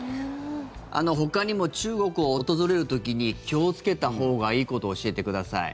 ほかにも中国を訪れる時に気をつけたほうがいいことを教えてください。